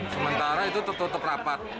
sementara itu tetap rapat